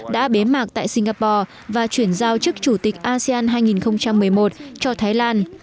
đã bế mạc tại singapore và chuyển giao chức chủ tịch asean hai nghìn một mươi một cho thái lan